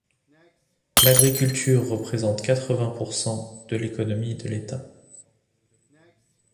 L'agriculture représente quatre-vingt pour-cent de l'économie de l'État.